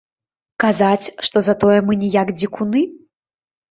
Казаць, што затое мы не як дзікуны?